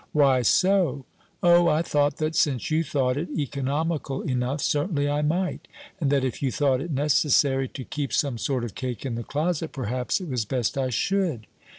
"Why so?" "O, I thought that since you thought it economical enough, certainly I might; and that if you thought it necessary to keep some sort of cake in the closet, perhaps it was best I should."